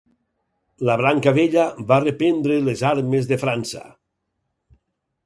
La branca vella va reprendre les armes de França.